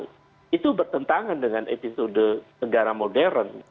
itu bertentangan dengan episode negara modern